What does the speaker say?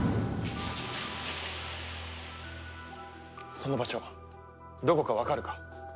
その場所どこかわかるか？